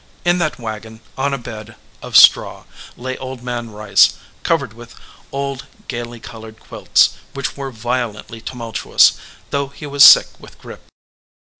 In that wagon on a bed of straw lay Old Man Rice, covered with old gaily colored quilts, which were violently tumultuous, though he was sick with grip.